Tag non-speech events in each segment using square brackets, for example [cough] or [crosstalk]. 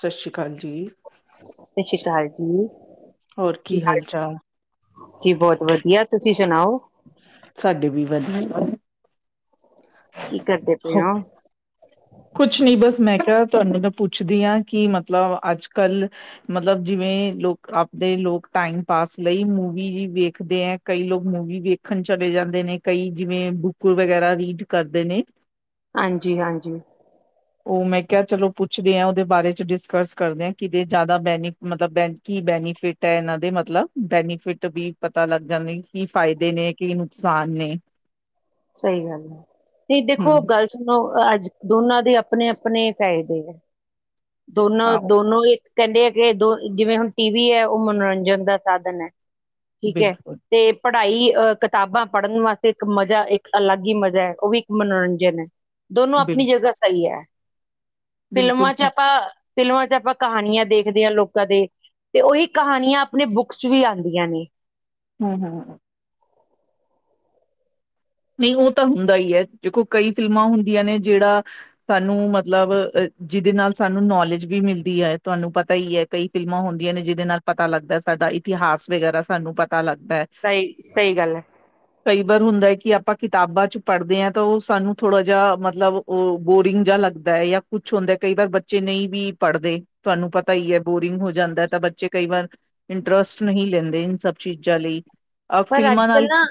ਸਸ਼ੀ ਕਾਲ ਜੀ। ਸ਼ਸੀ ਕਾਲ ਜੀ, ਕੀ ਹਾਲ ਚਾਲ। ਜੀ ਬੋਤ ਵਦੀਆ ਤੁਸੀ ਸੁਨਾਓ। ਸਾਡੇ ਵੀ ਵਦੀਆ। ਕੀ ਕਰਦੇ ਪੇ ਹੋ- ਓ। ਕੁਛ ਨੀ ਬੱਸ ਮੈਂ ਕਯਾ ਤੁਆਨੂੰ ਮੈ ਪੁੱਛਦੀ ਆ ਕੀ ਮਤਲਬ ਆੱਜ-ਕਾੱਲ ਮਤਲਬ ਜਿਵੇਂ ਲੋਕ ਆਪਦੇ ਲੋਕ ਟਾਈਮ ਪਾਸ ਲਈ ਮੂਵੀ ਵੇਖਦੇ ਆ। ਕਈ ਲੋਕ ਮੂਵੀ ਵੇਖਣ ਚਲੇ ਜਾਂਦੇ ਨੇ ਕਈ ਜਿਵੇਂ ਬੁੱਕ ਵਗੈਰਾ ਰੀਡ ਕਰਦੇ ਨੇ, ਹਾਂਜੀ-ਹਾਂਜੀ, ਉਹ ਮੈਂ ਕਿਹਾ ਚਲੋ ਪੁੱਛਦੇ ਆ ਉਹਦੇ ਬਾਰੇ ਚ ਡਿਸਕਸ ਕਰਦੇ ਆ ਕਿਤੇ ਜ਼ਿਆਦਾ ਬੈਨੀ ਮਤਲਬ ਬ ਕੀ ਬੈਨੀਫਿਟ ਤੇ ਇਹਨਾਂ ਦੇ ਮਤਲਬ ਬੈਨੀਫਿਟ ਵੀ ਪਤਾ ਲੱਗ ਜਾਂਦੇ ਕੀ ਫਾਇਦੇ ਨੇ ਕੀ ਨੁਕਸਾਨ ਨੇ, ਸਹੀ ਗੱਲ ਐ ਨਹੀਂ ਦੇਖੋ ਹਮ ਗੱਲ ਅੱਜ ਦੋਨਾਂ ਦੇ ਆਪਣੇ-ਆਪਣੇ ਫਾਇਦੇ ਐ। ਆਹੋ ਦੋਨੋ-ਦੋਨੋ ਇੱਕ ਕਹਿੰਦੇ ਆ ਕਿ ਦੋ ਜਿਵੇਂ ਹੁਣ ਟੀ ਵੀ ਐ ਉਹ ਮਨੋਰੰਜਨ ਦਾ ਸਾਧਨ ਐ ਠੀਕ ਐ। ਬਿਲਕੁਲ ਤੇ ਪੜ੍ਹਾਈ ਅ ਕਿਤਾਬਾਂ ਪੜ੍ਹਨ ਵਾਸਤੇ ਇੱਕ ਮਜ਼ਾ ਇੱਕ ਅਲੱਗ ਹੀ ਮਜ਼ਾ ਐ ਉਹ ਵੀ ਇੱਕ ਮਨੋਰੰਜਨ ਐ ਦੋਨੋ ਬਿਲ ਆਪਣੀ ਜਗ੍ਹਾ ਸਹੀ ਐ। ਬਿਲਕੁਲ ਫਿਲਮਾਂ ਚ ਠੀਕ ਆਪਾਂ ਫਿਲਮਾਂ ਚ ਆਪਾਂ ਕਹਾਣੀਆਂ ਦੇਖਦੇ ਆ ਲੋਕਾਂ ਦੇ ਤੇ ਉਹੀ ਕਹਾਣੀਆਂ ਆਪਣੇ ਬੁੱਕਸ ਚ ਵੀ ਆਦੀਆਂ ਨੇ, ਹੂੰ-ਹੂੰ, ਨਹੀਂ ਉਹ ਤਾਂ ਹੁੰਦਾ ਹੀ ਐ ਦੇਖੋ ਕਈ ਫਿਲਮਾਂ ਹੁੰਦੀਆਂ ਨੇ ਜਿਹੜਾ ਸਾਨੂੰ ਮਤਲਬ ਜਿਹਦੇ ਨਾਲ ਸਾਨੂੰ ਨੌਲੇਜ ਵੀ ਮਿਲਦੀ ਐ ਤੁਹਾਨੂੰ ਪਤਾ ਈ ਐ। ਕਈ ਫਿਲਮਾਂ ਹੁੰਦੀਆਂ ਨੇ ਜਿਹਦੇ ਨਾਲ ਪਤਾ ਲੱਗਦਾ ਸਾਡਾ ਇਤਿਹਾਸ ਵਗੈਰਾ ਸਾਨੂੰ ਪਤਾ ਲੱਗਦਾ ਐ। ਸਹੀ-ਸਹੀ ਗੱਲ ਐ। ਕਈ ਵਾਰ ਹੁੰਦਾ ਐ ਕਿ ਆਪ ਆਪਾਂ ਕਿਤਾਬਾਂ ਚ ਪੜ੍ਹਦੇ ਆ ਤਾਂ ਓ ਸਾਨੂੰ ਥੋੜ੍ਹਾ ਜਾ ਮਤਲਬ ਓ ਬੋਰਿੰਗ ਜਾ ਲੱਗਦਾ ਜਾ ਕੁੱਛ ਹੁੰਦਾ ਕਈ ਵਾਰ ਬੱਚੇ ਨਈ ਵੀ ਪੜ੍ਹਦੇ ਤੁਹਾਨੂੰ ਪਤਾ ਈ ਐ ਬੋਰਿੰਗ ਹੋ ਜਾਂਦਾ ਤਾਂ ਬੱਚੇ ਕਈ ਵਾਰ ਇੰਟਰਸਟ ਨਹੀਂ ਲੈਂਦੇ ਇਨ ਸਭ ਚੀਜ਼ਾਂ ਲਈ ਅ ਪਰ ਅੱਜ ਫਿਲਮਾਂ ਕੱਲ ਨਾਲ ਨਾ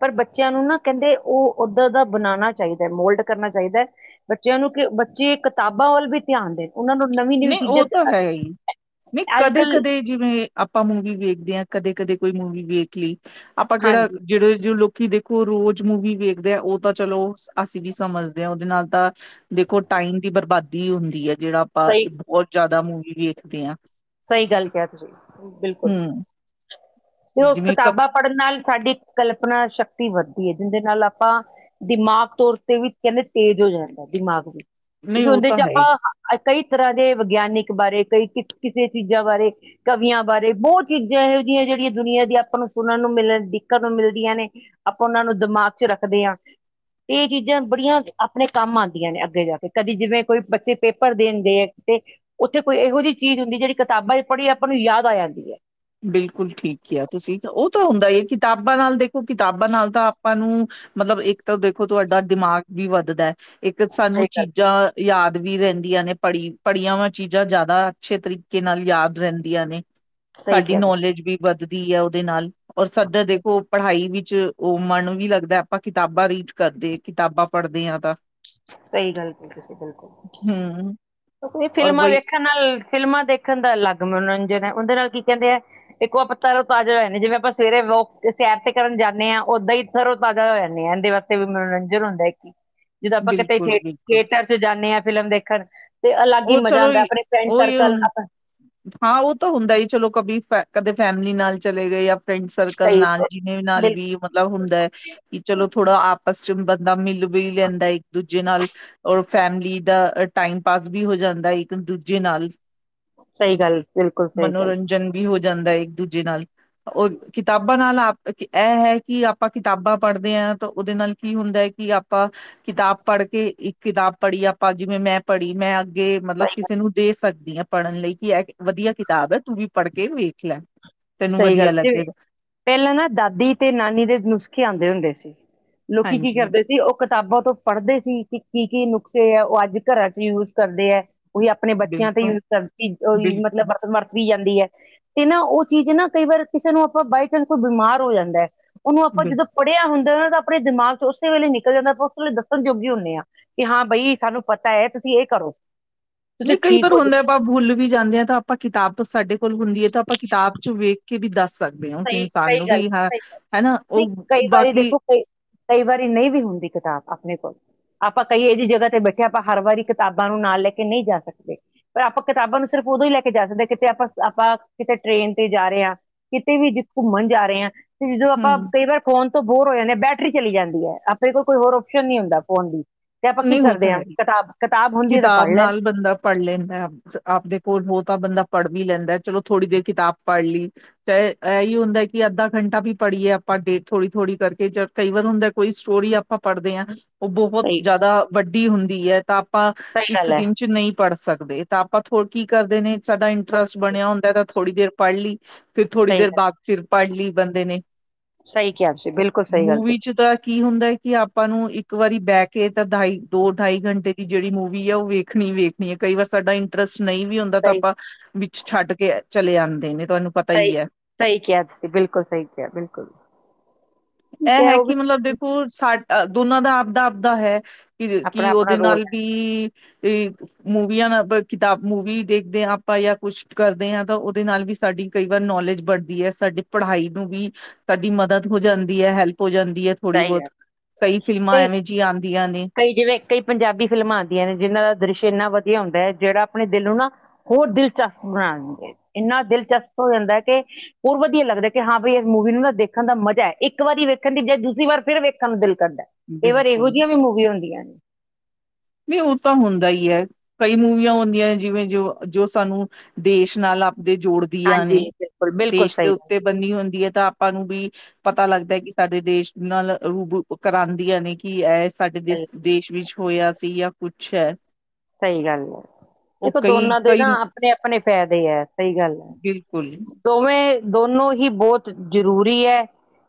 ਪਰ ਬੱਚਿਆਂ ਨੂੰ ਨਾ ਕੈਂਦੇ ਓ ਓਦਾਂ ਦਾ ਬਣਾਣਾ ਚਾਈਦਾ ਮੋਲਡ ਕਰਨਾ ਚਾਈਦਾ। ਬੱਚਿਆਂ ਨੂੰ ਕਿ ਬੱਚੇ ਕਿਤਾਬਾਂ ਵੱਲ ਵੀ ਧਿਆਨ ਦੇਣ। ਉਨਾਂ ਨੂੰ ਨਵੀਂ ਨਵੀਂ ਨਈ ਓ ਤਾਂ ਚੀਜ਼ਾਂ ਹੈ ਈ ਨਈ ਅੱਜ ਕੱਲ ਕਦੇ-ਕਦੇ ਜਿਵੇਂ ਆਪਾਂ ਮੂਵੀ ਵੇਖਦੇ ਆ ਕਦੇ ਕਦੇ-ਕੋਈ ਮੂਵੀ ਵੇਖ ਲਈ ਆਪਾਂ ਕੇੜਾ ਹਾਂਜੀ ਜੇੜ੍ਹੇ ਜੋ ਲੋਕੀ ਦੇਖੋ ਰੋਜ਼ ਮੂਵੀ ਵੇਖਦੇ ਆ ਓ ਤਾਂ ਚਲੋ ਅਸੀਂ ਵੀ ਸਮਝਦੇ ਆ ਓਦੇ ਨਾਲ ਤਾਂ ਦੇਖੋ ਟਾਈਮ ਦੀ ਬਰਬਾਦੀ ਹੁੰਦੀ ਐ ਜੇੜਾ ਆਪਾਂ ਸਹੀ ਬੋਤ ਯਾਦਾ ਮੂਵੀ ਵੇਖਦੇ ਆ। ਸਈ ਗੱਲ ਕਿਆ ਤੁਸੀਂ ਬਿਲਕੁੱਲ ਹੂੰ ਤੇ ਓ ਜਿਵੇਂ ਕ ਕਿਤਾਬਾਂ ਪੜ੍ਹਨ ਨਾਲ ਸਾਡੀ ਕਲਪਨਾ ਸ਼ਕਤੀ ਵੱਧਦੀ ਐ ਜੀਂਦੇ ਨਾਲ ਆਪਾਂ ਦਿਮਾਗ ਤੌਰ ਤੇ ਵੀ ਕੈਂਦੇ ਤੇਜ਼ ਹੋ ਜਾਂਦਾ ਦਿਮਾਗ ਵੀ। ਨਹੀਂ ਕਿਉਂਕਿ ਉਹ ਉਦੇ ਤਾਂ ਚ ਹੈ ਹੀ ਆਪਾਂ ਕਈ ਤਰ੍ਹਾਂ ਦੇ ਵਿਗਿਆਨਿਕ ਬਾਰੇ ਕਈ ਕ ਕਿਸੇ ਚੀਜ਼ਾਂ ਬਾਰੇ ਕਵੀਆਂ ਬਾਰੇ ਬੋ ਚੀਜ਼ਾਂ ਇਹੋ ਜੀਆਂ ਜੇੜੀਆਂ ਦੁਨੀਆਂ ਦੀ ਆਪਾਂ ਨੂੰ ਸੁਣਨ ਨੂੰ ਮਿਲਣ ਦੇਖਣ ਨੂੰ ਮਿਲਦੀਆਂ ਨੇ। ਆਪਾਂ ਉਨਾਂ ਨੂੰ ਦਿਮਾਗ ਚ ਰੱਖਦੇ ਆ। ਏ ਚੀਜ਼ਾਂ ਬੜੀਆਂ ਆਪਣੇ ਕੰਮ ਆਦੀਆਂ ਨੇ ਅੱਗੇ ਜਾ ਕੇ ਕਦੀ ਜਿਵੇਂ ਕੋਈ ਬੱਚੇ ਪੇਪਰ ਦੇਣ ਗਏ ਐ ਕਿਤੇ ਉੱਥੇ ਕੋਈ ਏਹੋ ਜੀ ਚੀਜ਼ ਹੁੰਦੀ ਜੇੜੀ ਕਿਤਾਬਾਂ ਚ ਪੜ੍ਹੀ ਆਪਾਂ ਨੂੰ ਯਾਦ ਆ ਜਾਂਦੀ ਐ। ਬਿਲਕੁੱਲ ਠੀਕ ਕਿਆ ਤੁਸੀਂ ਓ ਤਾਂ ਹੁੰਦਾ ਈ ਕਿਤਾਬਾਂ ਨਾਲ ਦੇਖੋ ਕਿਤਾਬਾਂ ਨਾਲ ਤਾਂ ਆਪਾਂ ਨੂੰ ਮਤਲਬ ਇੱਕ ਤਾਂ ਦੇਖੋ ਤੁਹਾਡਾ ਦਿਮਾਗ ਵੀ ਵੱਧਦਾ ਇੱਕ ਸਾਨੂੰ ਸਹੀ ਗੱਲ ਚੀਜ਼ਾਂ ਯਾਦ ਵੀ ਰੈਂਦੀਆਂ ਨੇ ਪੜ੍ਹੀ ਪੜ੍ਹੀਆਂ ਵਾਂ ਚੀਜ਼ਾਂ ਯਾਦਾ ਅੱਛੇ ਤਰੀਕੇ ਨਾਲ ਯਾਦ ਰਹਿੰਦੀਆਂ ਨੇ। ਸਹੀ ਸਾਡੀ ਕਿਹਾ ਤੁਸੀਂ ਨੌਲੇਜ ਵੀ ਵੱਧਦੀ ਐ ਓਦੇ ਨਾਲ ਔਰ ਸਾਡ ਦੇਖੋ ਪੜ੍ਹਾਈ ਵਿੱਚ ਓ ਮਨ ਵੀ ਲੱਗਦਾ ਆਪਾਂ ਕਿਤਾਬਾਂ ਰੀਡ ਕਰਦੇ ਕਿਤਾਬਾਂ ਪੜ੍ਹਦੇ ਆ ਤਾਂ। ਸਈ ਗੱਲ ਕਈ ਤੁਸੀ ਹਮ ਬਿਲਕੁੱਲ ਔਰ ਫਿਲਮਾਂ ਬਈ ਵੇਖ ਨਾਲ ਫਿਲਮਾਂ ਦੇਖਣ ਦਾ ਅਲੱਗ ਮਨੋਰੰਜਨ ਐ ਓਦੇ ਨਾਲ ਕੀ ਕੇਦੇ ਐ ਇੱਕੋ ਆਪਾਂ ਤਰੋਂ ਤਾਜਾ ਹੋ ਜਾਨੇ ਆ ਜਿਵੇਂ ਆਪਾਂ ਸਵੇਰੇ ਵੋਕ ਸੈਰ ਤੇ ਕਰਨ ਜਾਨੇ ਆ ਓਦਾਂ ਈ ਤਰੋ ਤਾਜ਼ਾ ਹੋ ਜਾਂਨੇ ਆ ਏਂਦੇ ਵ ਤੇ ਵੀ ਮਨੋਰੰਜਨ ਹੁੰਦਾ ਇੱਕ ਜਦੋਂ ਆਪਾਂ ਕੱਠੇ ਬਿਲਕੁਲ ਥੇ ਬਿਲਕੁਲ ਥੀਏਟਰ ਚ ਜਾਂਨੇ ਆ ਫਿਲਮ ਦੇਖਨ ਤੇ ਅਲੱਗ ਈ ਉਹ ਮਜ਼ਾ ਚਲੋ ਆਂਦੈ ਆਪਨੇ ਫਰੈਂਡ ਉਹੀ ਸਰਕਲ ਹੁਣ ਆਪ ਹਾਂ ਓ ਤਾਂ ਹੁੰਦਾ ਈ ਚਲੋ ਕਭੀ ਕਦੇ ਫੈਮਿਲੀ ਨਾਲ ਚਲੇ ਗਏ ਯਾ ਫਰੈਂਡ ਸਰਕਲ ਸਹੀ ਨਾਲ ਜਿਨੇ ਨਾਲ ਬਿਲਕੁਲ ਵੀ ਮਤਲਬ ਹੁੰਦੈ। ਕੀ ਚਲੋ ਥੋੜਾ ਆਪਸ ਚ ਬੰਦਾ ਮਿਲ ਵੀ ਲੈਂਦਾ ਇੱਕ ਦੂਜੇ ਨਾਲ। ਔਰ ਫੈਮਲੀ ਦਾ ਟਾਈਮ ਪਾਸ ਸ ਵੀ ਹੋ ਜਾਂਦਾ ਇੱਕ ਦੂਜੇ ਨਾਲ, ਸਹੀ ਗੱਲ ਬਿਲਕੁਲ ਸਹੀ ਗੱਲ ਮਨੋਰੰਜਨ ਵੀ ਹੋ ਜਾਂਦਾ ਇੱਕ ਦੂਜੇ ਨਾਲ, ਓ ਕਿਤਾਬਾਂ ਨਾਲ ਆਪ ਐ ਹੈ ਕੀ ਆਪਾਂ ਕਿਤਾਬਾਂ ਪੜ੍ਹਦੇ ਆ ਤਾਂ ਓਦੇ ਨਾਲ ਕੀ ਹੁੰਦੈ ਕੀ ਆਪਾਂ ਕਿਤਾਬ ਪੜ੍ਹ ਕੇ ਇੱਕ ਕਿਤਾਬ ਪੜ੍ਹੀ ਆਪਾਂ ਜਿਵੇਂ ਮੈਂ ਪੜ੍ਹ ਵੀ ਮੈਂ ਅੱਗੇ ਮਤਲਬ ਸਹੀ ਗੱਲ ਕਿਸੇ ਨੂੰ ਦੇ ਸਕਦੀ ਆਂ ਪੜ੍ਹਨ ਲਈ ਕੀ ਐ ਵਦੀਆ ਕਿਤਾਬ ਐ ਤੂੰ ਵੀ ਪੜ੍ਹ ਕੇ ਵੇਖ ਲੈ। ਤੈਨੂੰ ਸਈ ਗੱਲ ਵਧੀਆ ਜਿਵੇਂ ਲੱਗੇਗਾ ਪੈਲਾਂ ਨਾ ਦਾਦੀ ਤੇ ਨਾਨੀ ਦੇ ਨੁਸਖੇ ਆਂਦੇ ਹੁੰਦੇ ਸੀ। ਲੋਕੀ ਕੀ ਹਾਂਜੀ ਕਰਦੇ ਓ ਕਿਤਾਬਾਂ ਤੋਂ ਪੜ੍ਹਦੇ ਸੀ ਕਿ ਕੀ-ਕੀ ਨੁਕਸੇ ਐ ਓ ਅੱਜ ਘਰਾਂ ਚ ਯੂਜ ਕਰਦੇ ਐ। ਓਈ ਆਪਣੇ ਬੱਚਿਆਂ ਤੇ ਬਿਲਕੁਲ ਯੂਜ ਕਰਦੀ ਓਈ ਮਤਲਬ ਬਿਲਕੁਲ ਵਰ ਵਰਤਦੀ ਜਾਂਦੀ ਐ ਤੇ ਨਾ ਓ ਚੀਜ਼ ਨਾ ਕਈ ਵਾਰ ਕਿਸੇ ਨੂੰ ਆਪਾਂ ਬਾਏ ਚਾਂਸ ਕੋਈ ਬਿਮਾਰ ਹੋ ਜਾਂਦੈ ਓਨੂੰ ਆਪਾਂ ਬਿਲਕੁਲ ਜਦੋਂ ਪੜ੍ਹਿਆ ਹੁੰਦੈ ਨਾ ਤਾਂ ਆਪਨੇ ਦਿਮਾਗ ਚੋਂ ਓਸੇ ਵੇਲੇ ਨਿਕਲ ਜਾਂਦਾ ਪਰ ਓਸ ਵੇਲੇ ਦੱਸਣ ਜੋਗੇ ਹੁੰਦੇ ਆ। ਕਿ ਹਾਂ ਬਈ ਸਾਨੂੰ ਪਤਾ ਐ ਤੁਸੀਂ ਏ ਕਰੋ। ਤੁਸੀਂ ਨਈ ਕਈ ਠੀਕ ਵਾਰ ਹੋ ਜਾਓ ਹੁੰਦੈ ਆਪਾਂ ਬੁਲ ਵੀ ਜਾਂਦੇ ਆਂ ਤਾਂ ਆਪਾਂ ਕਿਤਾਬ ਤੋਂ ਸਾਡੇ ਕੋਲ ਹੁੰਦੀ ਐ ਤਾਂ ਆਪਾਂ ਕਿਤਾਬ ਚੋਂ ਵੇਖ ਕੇ ਵੀ ਦੱਸ ਸਕ ਦੇ ਆਂ ਓਸ ਸਹੀ ਇਨਸਾਨ ਨੂੰ ਸਹੀ ਗੱਲ ਵੀ ਸਹੀ ਹਨਾ ਓ ਨਹੀਂ ਕਈ ਵਾਰੀ ਬਾਕੀ ਦੇਖੋ ਕਈ ਕਈ ਵਾਰੀ ਨਈ ਵੀ ਹੁੰਦੀ ਕਤਾਬ ਆਪਨੇ ਕੋਲ। ਆਪਾ ਕਈ ਐਹੋ ਜੀ ਜਗਾ ਤੇ ਬੈਠੇ ਆ ਆਪਾਂ ਹਰ ਵਾਰੀ ਕਤਾਬਾਂ ਨੂੰ ਨਾਲ ਲੈਕੇ ਨਈ ਜਾ ਸਕਦੇ। ਪਰ ਆਪਾ ਕਤਾਬਾਂ ਨੂੰ ਸਿਰਫ ਉਦੋਂ ਈ ਲੈਕੇ ਜਾ ਸਕਦੇ ਆ ਕਿਤੇ ਆਪਾਂ-ਆਪਾਂ ਕਿਤੇ ਟਰੇਨ ਤੇ ਜਾਰੇ ਆ। ਵੀ ਘੁੰਮਣ ਜਾਰੇ ਆਂ, ਤੇ ਜਦੋ ਆਪਾਂ ਹੂੰ, ਕਈ ਵਾਰ ਫੋਨ ਤੋਂ ਬੋਰ ਹੋ ਜਾਨੇ ਆਂ ਬੈਟਰੀ ਚਲੀ ਜਾਂਦੀ ਐ ਆਪਨੇ ਕੋਲ ਕੋਈ ਹੋਰ ਓਪਸ਼ਨ ਨੀ ਹੁੰਦਾ ਫੋਨ ਦੀ ਤੇ ਆਪਾਂ ਕੀ ਨਹੀਂ ਉਹ ਕਰਦੇ ਤਾਂ ਹੈ ਆਂ ਹੀ। ਕਤਾਬ-ਕਤਾਬ ਹੁੰਦੀ ਐ ਤੇ ਪੜ ਲੈਣ ਪੜ ਲੇਨੇ ਆ ਆਪਦੇ ਕੋਲ ਹੋ ਤਾ ਬੰਦਾ ਪੜ ਵੀ ਲੈਂਦੈ ਚਲੋ ਥੋੜੀ ਦੇਰ ਕਿਤਾਬ ਪੜ ਲੀ। ਤੇ ਐਈ ਹੁੰਦੈ ਕਿ ਅੱਧਾ ਘੰਟਾ ਵੀ ਪੜੀਏ ਆਪਾ ਡੇ ਥੋੜੀ-ਥੋੜੀ ਕਰਕੇ ਚਲ ਕਈ ਵਾਰ ਹੁੰਦੈ ਕੋਈ ਸਟੋਰੀ ਆਪਾਂ ਪੜਦੇ ਆਂ ਨਾ ਓ ਸਹੀ ਜਾਦਾ ਵੱਡੀ ਹੁੰਦੀ ਐ ਤਾਂ ਆਪਾਂ ਸਹੀ ਇੱਕ ਗੱਲ ਹੈ ਦਿਨ ਚ ਨਈਂ ਪੜ ਸਕਦੇ ਤਾਂ ਆਪਾਂ ਥੋ ਕੀ ਕਰਦੇ ਨੇ ਸਾਡਾ ਇੰਟਰਸਟ ਬਨੇਆ ਹੁੰਦੈ ਤਾ ਥੋੜੀ ਦੇਰ ਪੜ ਲੀ ਫੇਰ ਥੋੜੀ ਸਹੀ ਦੇਰ ਗੱਲ ਬਾਦ ਫਿਰ ਪੜ ਲੀ ਬੰਦੇ ਨੇ, ਸਹੀ ਕਿਹਾ ਤੁਸੀਂ ਬਿਲਕੁਲ ਸਹੀ ਗੱਲ ਮੂਵੀ ਕੀਤੀ ਚ ਤਾ ਕੀ ਹੁੰਦੈ ਕਿ ਆਪਾਂ ਨੂੰ ਇੱਕ ਵਾਰੀ ਬੈ ਕੇ ਤਾ ਢਾਈ ਦੋ ਢਾਈ ਘੰਟੇ ਦੀ ਜੇੜੀ ਮੂਵੀ ਆ ਓ ਵੇਖਨੀ ਈ ਵੇਖਨੀ ਐ ਕਈ ਵਾਰ ਸਾਡਾ ਇੰ ਟਰਸਟ ਨਈ ਵੀ ਹੁੰਦਾ ਤਾ ਸਹੀ ਆਪਾਂ ਵਿੱਚ ਛੱਡ ਕੇ ਚਲੇ ਜਾਂਦੇ ਨੇ ਤੁਆਨੂੰ ਸਈ-ਸਈ ਕਿਆ ਤੁਸੀ ਬਿਲਕੁਲ ਸਈ ਕਿਆ ਬਿਲਕੁਲ। ਐ ਠੀਕ ਹੈ ਉਹ ਕਿ ਵੀ ਮਤਲਬ ਦੇਖੋ ਸਾਡਾ ਦੋਨਾਂ ਦਾ ਆਪਦਾ-ਆਪਦਾ ਹੈ ਕਿ ਕੀ ਆਪਣਾ ਆਪਣਾ ਓਦੇ ਰੋਲ ਨਾਲ ਹੈ ਵੀ ਕੀ ਵੀ ਮੂਵੀਆ ਨਾਲ ਕਿਤਾਬ ਮੂਵੀ ਦੇਖਦੇ ਆਂ ਆਪਾਂ ਯਾ ਕੁਛ ਕਰਦੇ ਆਂ ਤਾਂ ਓਦੇ ਨਾਲ ਵੀ ਸਾਡੀ ਕਈ ਵਾਰ ਨੌਲੇਜ ਬੜਦੀ ਐ ਸਾਡੀ ਪੜਾਈ ਨੂੰ ਵੀ ਸਾਡੀ ਮਦਦ ਹੋ ਜਾਂਦ ਹੈਲਪ ਹੋ ਜਾਂਦੀ ਐ ਥੋੜੀ ਚਾਹੀਦਾ ਬਹੁਤ, ਕਈ ਫਿਲਮਾਂ ਕਈ ਐਵੇਂ ਜਿਆਂ ਆਂਦੀਆਂ ਨੇ ਕਈ ਜਿਵੇਂ ਕਈ ਪੰਜਾਬੀ ਫਿਲਮਾਂ ਆਂਦੀਆਂ ਨੇ, ਜਿਨਾਂ ਦਾ ਦ੍ਰਿਸ਼ ਏਨਾ ਵਦੀਆ ਹੁੰਦੈ, ਜੇੜਾ ਆਪਣੇ ਦਿਲ ਨੂੰ ਨਾ ਔਰ ਦਿਲਚਸਪ ਬਣਾਨਗੇ, ਇੰਨਾ ਦਿਲਚਸਪ ਹੋਂਦਾ ਕੈ ਹੋਰ ਵਦੀਐ ਲੱਗਦੈ ਕਿ ਹਾਂ ਬਾਈ ਇਸ ਮੂਵੀ ਨੂੰ ਨਾ ਦੇਖਨ ਦਾ ਮਜਾ ਏ, ਇੱਕ ਵਾਰੀ ਵੇਖਨ ਦੀ ਬਜਾਏ ਦੂਸਰੀ ਵਾਰ ਫੇਰ ਵੇਖਨ ਨੂੰ ਦਿਲ ਕਰਦਾ਼। ਕਈ ਵਾਰ ਬਿਲਕੁਲ ਏਹੋ ਜਿਆ ਵੀ ਮੂਵੀ ਹੁੰਦੀਆਂ ਨੇ। ਨੀ ਓਸ ਤਾ ਹੁੰਦਾ ਈ ਐ। ਕਈ ਮੂਵੀਆਂ ਹੋਂਦੀਐਂ ਜਿਵੇਂ ਜੋ, ਜੋ ਸਾਨੂੰ ਦੇਸ਼ ਨਾਲ ਆਪਦੇ ਜੋੜ ਦੀਆਂ ਹਾਂਜੀ ਨੇ, ਬਿਲਕੁਲ ਬਿਲਕੁਲ ਦੇਸ਼ ਦੇ ਸਹੀ ਗੱਲ ਉੱਤੇ ਬੰਨੀ ਹੁੰਦੀ ਐ, ਤਾਂ ਆਪਾਂ ਨੂੰ ਵੀ ਪਤਾ ਲੱਗਦਾ ਐ ਕਿ ਸਾਡੇ ਦੇਸ਼ ਨਾਲ ਰੂਬੂ ਉ ਕਰਾਂਦੀਆਂ ਨੇ, ਕਿ ਐਸ ਸਾਡੇ ਦੇਸ, ਸਹੀ ਦੇਸ਼ ਵਿੱਚ ਹੋਯਾ ਸੀ, ਯਾ ਕੁੱਛ ਐ। ਸਈ ਗਾੱਲ ਐ। ਦੇਖੋ ਦੋਨਾਂ ਦੇ ਕਈ ਨਾ ਆਪਨੇ- ਆਪਨੇ ਫੈਦੇ ਆ, ਸਈ ਗਾੱਲ ਐ। ਬਿਲਕੁਲ ਦੋਵੇਂ, ਦੋਨੋ ਈ ਬੋਤ ਜ਼ਰੂਰੀ ਐ।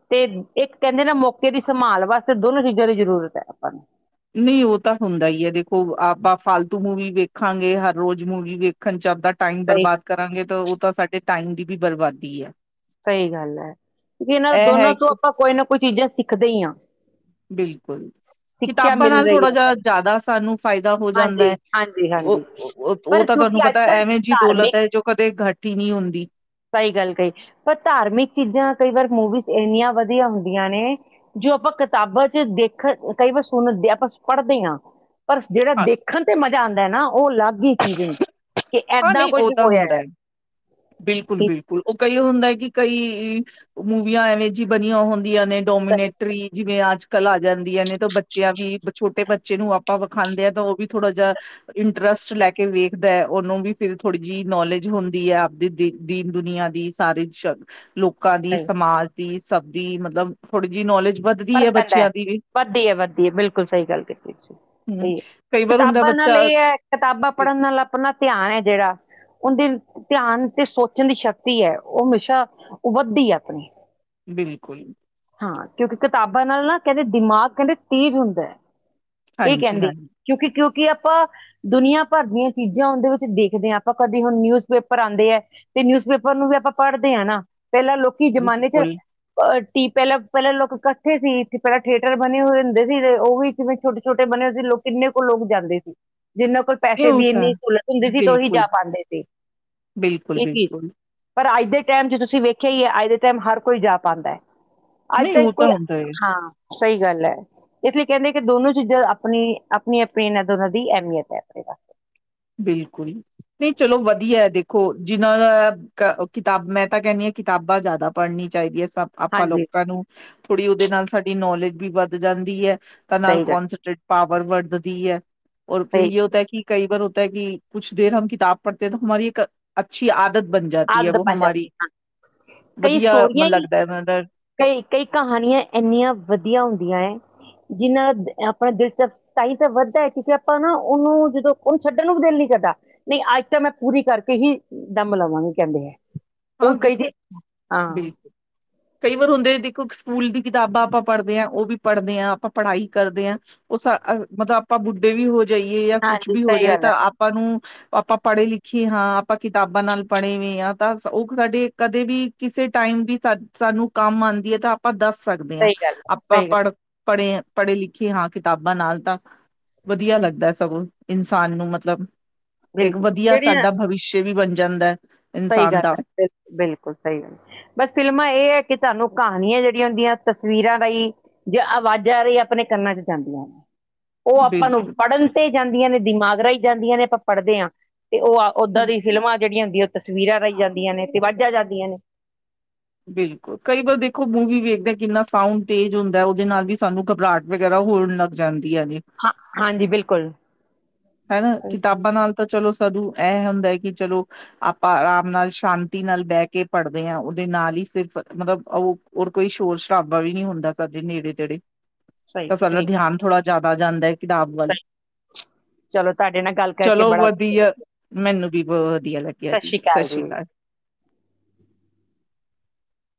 ਤੇ ਏਕ ਕੈਂਦੇ ਨੈ ਮੌਕੇ ਦੀ ਸੰਮਾਲ ਵਾਸਤੇ ਦੋਨੋ ਚੀਜ਼ਾਂ ਦੀ ਜ਼ਰੂਰਤ ਐ ਆਪਾਂ ਨੂੰ। ਨੀ ਓ ਤਾ ਹੁੰਦਾ ਈ ਐ ਦੇਖੋ, ਆਪਾ ਫਾਲਤੂ ਮੂਵੀ ਵੇਖਾਂਗੇ, ਹਰ ਰੋਜ਼ ਮੂਵੀ ਵੇਖ ਖੰਚ ਆਪਦਾ ਟਾਈਮ ਸਹੀ ਗੱਲ। ਬਰਬਾਦ ਕਰਾਂਗੇ, ਤਾਂ ਓਤਾ ਸਾਡੇ ਟਾਈਮ ਦੀ ਵੀ ਬਰਬਾਦੀ ਐ। ਸਈ ਗਾੱਲ ਐ, ਜੇ ਇਨਾਂ ਇਹ ਹੈ ਦੋਨਾਂ ਤੋ ਇੱਕ ਆਪਾ ਕੋਈ ਨਾ ਕੋਈ ਚੀਜ਼ਾਂ ਸਿੱਖਦੇ ਈ ਆਂ। ਬਿਲਕੁਲ। ਕਿਤਾਬਾ ਨਾਲ ਥੋੜਾ ਹੈ ਜਾ ਆਪਾਂ ਨੂੰ ਜਾਦਾ ਸਾਨੂੰ ਫਾਯਦਾ ਹੋ ਜਾਂਦਾ ਐ, ਹਾਂਜੀ, ਹਾਂਜੀ, ਬਿਲਕੁਲ- ਹਾਂਜੀ। ਬਿਲਕੁਲ। ਓ ਪਰ ਓਤਾ ਤਾਨੂੰ ਕਿਉਂਕਿ ਅੱਜ ਪਤੈ, ਕੱਲ੍ਹ ਐਵੇਂ ਜੀ ਦੌਲਤ ਐ ਜੋ ਕਦੇ ਘੱਟ ਈ ਨੀ ਹੁੰਦੀ। ਸਈ ਗਾੱਲ ਕਈ, ਓਹ ਧਾਰਮਿਕ ਚੀਜ਼ਾਂ ਕਈਂ ਵਾਰ ਮੂਵੀਜ਼ ਏਨੀਆਂ ਵਦੀਆ ਹੁੰਦੀਆਂ ਨੇ। ਜੋ ਆਪਾ ਕਿਤਾਬਾ ਚ ਦੇਖ, ਕਈ ਵਾਰ ਸੁਣਦੇ, ਆਪਾ ਪੜਦੇ ਆਂ। ਪਰ ਜੇੜਾ ਹਾਂ ਦੇਖਨ ਤੇ ਮਜ਼ਾ ਆਂਦਾ ਐ ਨਾ, ਓ ਅਲੱਗ ਈ ਚੀਜ਼ ਹੁੰਦੀ ਕਿ ਐੱਦਾ ਕੋਜ ਹੋਯਾ ਆ। ਬਿਲਕੁਲ- ਬਿਲਕੁਲ ਓ ਕਈ ਹੁੰਦਾ ਕਿ ਕਈ ਮੂਵੀਆਂ ਐਵੇਂ ਜਿ ਬਨੀਆਂ ਹੁੰਦੀਆਂ ਨੇ। ਸਹੀ ਡੋਮੀਨੇਟਰੀ ਜਿਵੇਂ ਅੱਜ-ਕੱਲ ਆ ਜਾਂਦੀਆਂ ਨੇ, ਤਾਂ ਬੱਚਯਾਂ ਵੀ ਛੋਟੇ ਬੱਚੇ ਨੂੰ ਆਪ ਆਪਾ ਵਖਾਂਦੇ ਆ, ਤਾਂ ਓਵੀ ਥੋੜਾ ਜਾ ਇੰਟਰਸਟ ਲੈਕੇ ਵੇਖਦਾ ਐ, ਓਨੂੰ ਵੀ ਫੇਰ ਥੋੜੀ ਜਿ ਨੌਲੇਜ ਹੁੰਦੀ ਆ। ਦੀ ਦੀਨ ਦੁਨੀਆਂ ਦੀ, ਸਾਰੇ ਸ਼ ਲੋਕਾਂ ਦੀ, ਸਮਾਜ ਦੀ ਸਬ ਦੀ, ਮਤਲਬ ਥੋੜੀ ਜਿ ਨੋਲੇਜ ਵੱਧ ਫਰਕ ਪੈਦਾ ਐ, ਵੱਧਦੀ ਆ-ਵੱਧਦੀ ਆ, ਬਿਲਕੁਲ ਸਹੀ ਗੱਲ ਕੀਤੀ ਤੁਸੀਂ। ਹੂੰ ਤੇ, ਕਈ ਵਾਰ ਹੁੰਦਾ ਕਿਤਾਬਾਂ ਨਾਲ ਬੱਚਾ ਇਹ ਹੈ, ਕਿਤਾਬਾਂ ਪੜਨ ਨਾਲ ਆਪਣਾ ਧਿਆਨ ਹੈ ਜਿਹੜਾ ਉਂਦੀ ਧਿਆਨ ਤੇ ਸੋਚਣ ਦੀ ਸ਼ਕਤੀ ਹੈ, ਉਹ ਹਮੇਸ਼ਾ ਵੱਧਦੀ ਆ ਅਪਨੀ। ਬਿਲਕੁਲ। ਹਾਂ, ਕਿਉਂਕਿ ਕਿਤਾਬਾਂ ਨਾਲ ਨਾ ਕਹਿੰਦੇ ਦਿਮਾਗ ਕਹਿੰਦੇ ਤੇਜ਼ ਹੁੰਦਾ। ਇਹੳ ਕਹਿੰਦੇ, ਹਾਂਜੀ-ਹਾਂਜੀ ਕਿਉਂਕਿ- ਕਿਉਂਕਿ ਆਪਾ ਦੁਨੀਆਂ ਭਰ ਦੀਆਂ ਚੀਜ਼ਾਂ ਉਂਨਦੇ ਵਿੱਚ ਦੇਖਦੇ ਹਾਂ, ਆਪਾਂ ਕਦੇ ਹੁਣ ਨਿਊਜ਼-ਪੇਪਰ ਆਂਦੇ ਹੈ। ਤੇ, ਨਿਊਜ਼ਪੇਪਰ ਨੂੰ ਵੀ ਆਪਾਂ ਪੜਦੇ ਹਾਂ ਨਾ, ਪਹਿਲਾਂ ਲੋਕੀ ਜ਼ਮਾਨੇ 'ਚ ਬਿਲਕੁਲ ਪ ਨੀ, ਪਹਿਲਾਂ-ਪਹਿਲਾਂ ਲੋਕ ਇਕੱਠੇ ਸੀ ਇੱਥੇ ਪਹਿਲਾ ਥੀਏਟਰ ਬਣੇ ਹੋਏ ਹੁੰਦੇ ਸੀ, ਤੇ ਉਹ ਜਿਂਵੇਂ ਛੋਟੇ ਛੋਟੇ ਬਣੇ ਹੋਏ ਸੀ, ਲੋਕ ਕਿੰਨੇ ਕ ਲੋਕ ਜਾਂਦੇ ਸੀ, ਜਿੰਨਾ ਕੋਲ ਇਹ ਪੈਸੇ ਉਹ ਦੀ ਤਾਂ ਇੰਨੀ ਸਹੂਲਤ ਹੁੰਦੀ ਸੀ, ਤੇ ਉਹੀ ਜਾ ਪਾਂਦੇ ਸੀ, ਇਹ ਚੀਜ਼। ਬਿਲਕੁਲ-ਬਿਲਕੁਲ-ਬਿਲਕੁਲ ਪਰ ਅੱਜ ਦੇ ਟਾਈਮ'ਚ ਤੁਸੀਂ ਵੇਖਿਆ ਹੀ ਏ, ਅੱਜ ਦੇ ਟਾਈਮ ਹਰ ਕੋਈ ਜਾ ਪਾਂਦਾ ਹੈ। ਅੱਜ ਨਹੀਂ ਤ ਉਹ ਤਾਂ ਕੋਈ, ਹੁੰਦਾ ਹੈ ਹਾਂ। ਸਹੀ ਗੱਲ ਐ ਇਥੇ ਕਹਿੰਦੇ ਕਿ ਦੋਨੋ ਚੀਜਾ ਅਪਣੀ-ਅਪਣੀ ਇਹਨਾਂ ਦੋਨਾਂ ਦੀ ਅਹਿਮੀਅਤ ਹੈ, ਅਪਨੇ ਪਾ ਬਿਲਕੁਲ, ਨਹੀਂ ਚਲੋ ਵਧੀਆ ਏ ਦੇਖੋ, ਜਿਨਾਂ ਦਾ ਕਿਤਾਬ, ਮੈਂ ਤਾਂ ਕਹਿੰਦੀ ਹਾਂ ਕਿਤਾਬਾਂ ਜ਼ਿਆਦਾ ਪੜਨੀ ਚਾਹੀਦੀ ਆ ਸਭ। ਆਪਾ ਹਾਂਜੀ ਲੋਕਾਂ ਨੂੰ, ਥੋੜ੍ਹੀ ਉਹਦੇ ਨਾਲ ਸਾਡੀ ਨੌਲੇਜ ਵੀ ਵੱਧ ਜਾਂਦੀ ਐ, ਤਾਂ ਨਾਲ ਸਹੀ ਗੱਲ ਕੋਂਨਸੈਂਟਰੇਟ ਪਾਵਰ ਵੱਧਦੀ ਐ, ਔਰ ਫਿਰ ਸਹੀ ਯੇ ਹੋਤਾ ਹੈ ਕਿ, ਕਈ ਵਾਰ ਕਿ ਕੁੱਛ ਦੇਰ ਹਮ ਕਿਤਾਬ ਪੜਤੇ ਹੋ, ਤੋ ਹਮਾਰੀ ਇਕ ਅੱਛੀ ਆਦਤ ਬਨ ਜਾਤੀ ਹੈ ਆਦਤ ਵੋ ਬਣ ਹਮਾਰੀ, ਜਾਂਦੀ ਹਾਂ ਕਈ ਵਧੀਆ ਸਟੋਰੀਆਂ ਮਨ ਹੀ ਲੱਗਦਾ ਹੈ ਮ ਕਈ, ਕਈ ਕਹਾਨੀਆਂ ਇੰਨੀਆਂ ਵਧੀਆ ਹੁੰਦੀਆਂ ਹੈ, ਜਿਹਨਾਂ ਆਪਣਾ ਦਿਲਚਸਪ ਤਾਂਈ ਤਾ ਵੱਧਦਾ ਹੈ ਕਿਉਂਕਿ ਆਪਾਂ ਨਾ, ਉਹਨੂੰ ਜਦੋਂ ਉਹਨੂੰ ਛੱਡਣ ਨੂੰ ਵੀ ਦਿਲ ਨੀ ਕਰਦਾ। ਨਹੀਂ, ਅੱਜ ਤਾਂ ਮੈਂ ਪੂਰੀ ਕਰਕੇ ਹੀ, ਦਮ ਲਵਾਂਗੀ ਕਹਿੰਦੇ ਹੈ। ਉਹ ਕਈ-ਕਈ ਹਾਂ [inaudible] ਕਈ ਵਾਰ ਹੁੰਦੇ ਦੇਖੋ, ਸਕੂਲ ਦੀ ਕਿਤਾਬਾਂ ਆਪਾਂ ਪੜ੍ਹਦੇ ਹਾਂ, ਉਹ ਵੀ ਪੜ੍ਹਦੇ ਹਾਂ, ਆਪਾਂ ਪੜ੍ਹਾਈ ਕਰਦੇ ਹਾਂ ਉਹ ਸਾ, ਮਤਲਬ ਆਪਾ ਬੁੱਢੇ ਵੀ ਹੋ ਜਾਈਏ, ਯਾ ਕੁੱਛ ਹਾਂਜੀ ਵੀ ਹੋ ਸਹੀ ਜਾਏ ਗੱਲ ਹੈ ਤਾਂ ਆਪਾਂ ਨੂੰ, ਆਪਾਂ ਪੜ੍ਹੇ ਲਿਖੇ ਹਾਂ। ਆਪਾਂ ਕਿਤਾਬਾਂ ਨਾਲ ਪੜ੍ਹੇ ਵੀਂ ਆਂ, ਤਾਂ ਉਹ ਸਾਡੇ ਕਦੇ ਵੀ, ਕਿਸੇ ਟਾਈਮ ਵੀ, ਸਾਨੂੰ ਕੰਮ ਆਂਦੀ ਆ, ਤਾਂ ਆਪਾਂ ਦੱਸ ਸਕ ਸਕਦੇ ਆਂ, ਸਹੀ ਗੱਲ ਹੈ ਆਪਾਂ ਸਹੀ ਗੱਲ ਪੜ੍ਹ, ਪੜ੍ਹੇ, ਪੜ੍ਹੇ-ਲਿਖੇ ਹਾਂ ਕਿਤਾਬਾਂ ਨਾਲ ਤਾਂ ਵਧੀਆ ਲੱਗਦਾ ਸਗੋਂ, ਇਨਸਾਨ ਨੂੰ ਮਤਲਬ ਇੱਕ ਬਿਲਕੁਲ ਵਧੀਆ ਜਿਹੜੀਆਂ ਸਾਡਾ ਭਵੀਸ਼ਯ ਵੀ ਬਣ ਜਾਂਦਾ। ਸਹੀ ਇਨਸਾਨ ਗੱਲ ਦਾ ਹੈ, ਬਿਲਕੁਲ, ਬਿਲਕੁਲ ਸਹੀ ਗੱਲ ਐ ਬਸ ਫਿਲਮਾਂ ਇਹ ਹੈ ਕਿ, ਤੁਹਾਨੂੰ ਕਹਾਣੀਆਂ ਜਿਹੜੀਆਂ ਹੁੰਦੀਆਂ ਤਸਵੀਰਾਂ ਰਾਹੀ ਜੇ ਆਵਾਜ਼ਾਂ ਰਹੀ, ਆਪਣੇ ਕੰਨਾਂ'ਚ ਜਾਂਦੀਆਂ ਐ। ਉਹ ਆਪਾਂ ਨੂੰ ਬਿਲਕੁਲ ਪੜ੍ਹਨ ਤੇ ਜਾਂਦੀਆਂ ਨੇ, ਦਿਮਾਗ ਰਾਹੀਂ ਜਾਂਦੀਆਂ ਨੇ, ਆਪਾਂ ਪੜ੍ਹਦੇ ਹਾਂ, ਤੇ ਉਹ ਓਹਦਾਂ ਹਮ ਦੀ ਫਿਲਮਾਂ ਜਿਹੜੀਆਂ ਹੁੰਦੀਆਂ, ਉਹ ਤਸਵੀਰਾਂ ਰਾਹੀ ਜਾਂਦੀਆਂ ਨੇ, ਤੇ ਅਵਾਜ਼ਾ ਜਾਂਦੀਆਂ ਨੇ। ਬਿਲਕੁਲ ਕਈ ਵਾਰ ਦੇਖੋ ਮੂਵੀ ਵੇਖਦੇ, ਕਿੰਨਾ ਸਾਊਂਡ ਤੇਜ਼ ਹੁੰਦਾ ਉਹਦੇ ਨਾਲ ਵੀ ਸਾਨੂੰ ਘਬਰਾਹਟ ਵਗ਼ੈਰਾ ਹੋਣ ਲੱਗ ਜਾਂਦੀ ਆ ਗੀ। ਹਾਂ, ਹਾਂਜੀ, ਬਿਲਕੁਲ। ਹੈਨਾ ਸਹੀ ਕਿਤਾਬਾਂ ਨਾਲ ਤਾਂ ਚਲੋ ਸਧੂ, ਐ ਹੁੰਦਾ ਹੈ ਕਿ ਚਲੋ ਆਪਾ ਅਰਾਮ ਨਾਲ ਸ਼ਾਂਤੀ ਨਾਲ ਬਹਿਕੇ ਪੜ੍ਹਦੇ ਹਾਂ, ਉਹਦੇ ਨਾਲ ਹੀ ਸਿਰਫ ਮਤਲਬ ਉਹ ਹੋਰ ਕੋਈ ਸ਼ੋਰ-ਸ਼ਰਾਬਾ ਵੀ ਨਹੀਂ ਹੁੰਦਾ, ਸਾਡੇ ਨੇੜੇ-ਤੇੜੇ। ਸਹੀ ਤਾ‌ ਸਾਡਾ ਸਹੀ ਧਿਆਨ ਥੋੜ੍ਹਾ ਜਿਆਦਾ ਜਾਂਦਾ ਹੈ ਕਿਤਾਬ ਵੱਲ ਸਹੀ ਚਲੋ, ਤੁਹਾਡੇ ਨਾਲ ਗੱਲ ਕਰਕੇ ਚਲੋ ਬੜਾ ਲੱਗਾ ਵਧੀਆ, ਮੈਨੂੰ ਬੀ ਬਹੋ ਵਧੀਆ ਲੱਗਿਆ ਜੀ। ਸਤਿ ਸ਼੍ਰੀ ਅਕਾਲ।